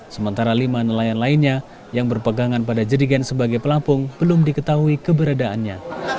sementara lima nelayan lainnya yang berpegangan pada jerigen sebagai pelampung belum diketahui keberadaannya